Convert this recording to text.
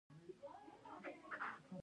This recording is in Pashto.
زه د مور و پلار اطاعت کوم.